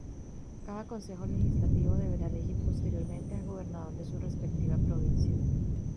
Cada Consejo Legislativo deberá elegir posteriormente al Gobernador de su respectiva provincia.